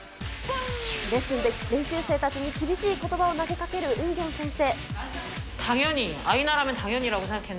レッスンで練習生たちに厳しいことばを投げかける、ウンギョン先生。